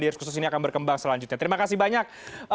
diskursus ini akan berkembang selanjutnya terima kasih banyak